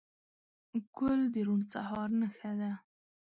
ګل د روڼ سهار نښه ده.